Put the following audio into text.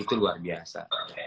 itu luar biasa